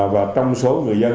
và trong số người dân